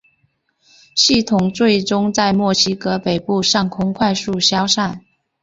系统最终在墨西哥北部上空快速消散。